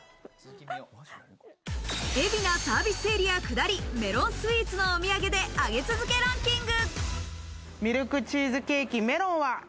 海老名サービスエリア下り、メロンスイーツのお土産で上げ続けランキング。